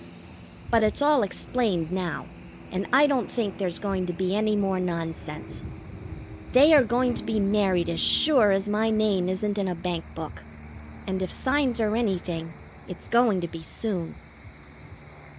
But it's all explained now, and I don't think there's going to be any more nonsense. They are going to be married as sure as my name isn't in a bank book; and if signs are anything, it's going to be soon.